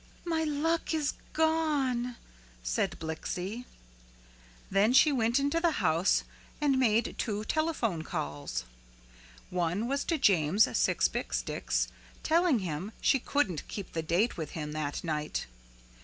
"My luck is gone," said Blixie. Then she went into the house and made two telephone calls. One was to James Sixbixdix telling him she couldn't keep the date with him that night.